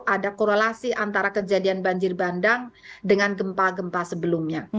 ada korelasi antara kejadian banjir bandang dengan gempa gempa sebelumnya